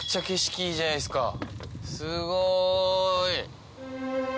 すごい！